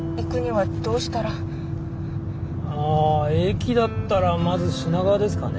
駅だったらまず品川ですかね。